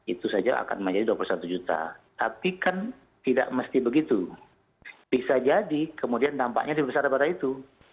itu saja akan menjadi dua puluh satu juta tapi kan tidak mesti begitu bisa jadi kemudian dampaknya lebih besar daripada itu